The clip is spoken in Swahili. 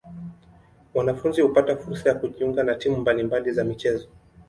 Wanafunzi hupata fursa ya kujiunga na timu mbali mbali za michezo.